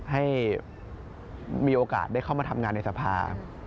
ให้มีโอกาสได้เข้ามาทำงานในสภา